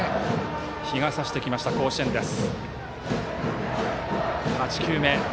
日が差してきました甲子園です。